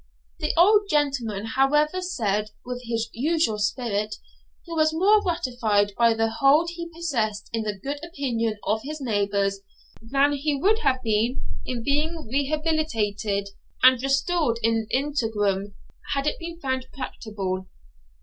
The old gentleman, however, said, with his usual spirit, he was more gratified by the hold he possessed in the good opinion of his neighbours than he would have been in being rehabilitated and restored in integrum, had it been found practicable.'